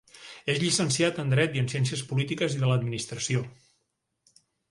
És llicenciat en Dret i en Ciències Polítiques i de l'Administració.